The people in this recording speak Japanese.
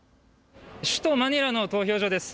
首都マニラの投票所です。